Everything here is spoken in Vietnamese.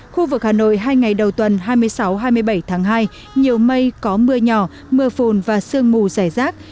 khu vực hà nội hai ngày đầu tuần hai mươi sáu hai mươi bảy tháng hai nhiều mây có mưa nhỏ mưa phùn và sương mù rải rác